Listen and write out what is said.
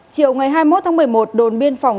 chiều ngày hai mươi một tháng một mươi một đồn biên phòng